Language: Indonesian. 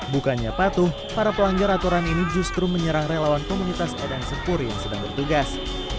bukannya patuh para pelanggar aturan ini justru menyerang relawan komunitas edan sempur yang sedang bertugas